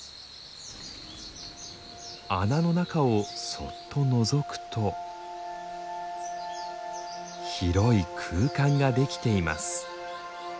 穴の中をそっとのぞくと広い空間ができています。